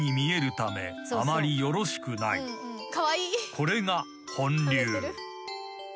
［これが本流］